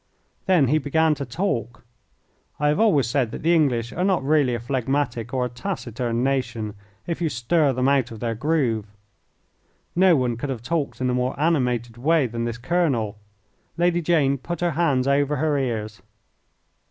Then he began to talk. I have always said that the English are not really a phlegmatic or a taciturn nation if you stir them out of their groove. No one could have talked in a more animated way than this colonel. Lady Jane put her hands over her ears.